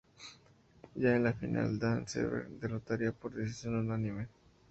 Ya en la final, Dan Severn lo derrotaría por decisión unánime.